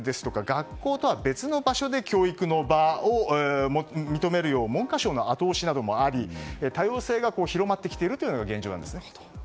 学校とは別の場所で教育の場を認めるよう文科省の後押しなどもあり多様性が広まってきているというのが現状なんですね。